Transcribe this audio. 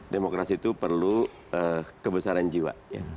demokrasi itu perlu kebesaran jiwa